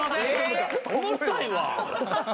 重たいわ。